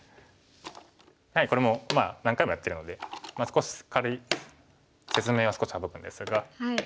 これも何回もやってるので少し軽い説明は少し省くんですが。